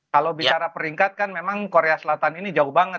kalau bicara peringkat kan memang korea selatan ini jauh banget